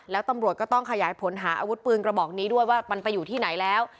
แล้วตำรวจก็ต้องขยายผลหาอาวุธปืนกระบอกนี้ด้วยว่ามันไปอยู่ที่ไหนแล้ว